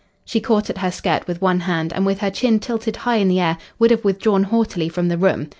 She caught at her skirt with one hand and with her chin tilted high in the air would have withdrawn haughtily from the room.